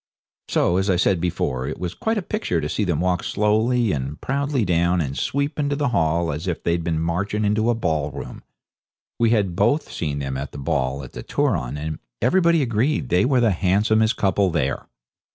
So, as I said before, it was quite a picture to see them walk slowly and proudly down and sweep into the hall as if they'd been marching into a ballroom. We had both seen them at the ball at the Turon, and everybody agreed they were the handsomest couple there.